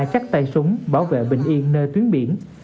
chắc tay súng bảo vệ bình yên nơi tuyến biển